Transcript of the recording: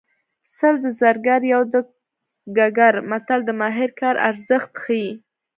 سل د زرګر یو د ګګر متل د ماهر کار ارزښت ښيي